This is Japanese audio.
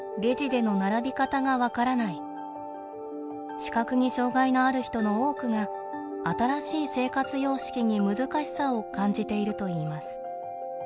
視覚に障害のある人の多くが新しい生活様式に難しさを感じているといいます。